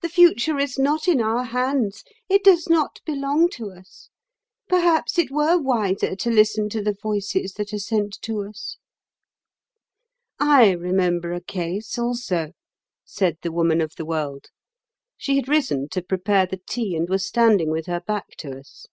The future is not in our hands; it does not belong to us. Perhaps it were wiser to listen to the voices that are sent to us." "I remember a case, also," said the Woman of the World. She had risen to prepare the tea, and was standing with her back to us.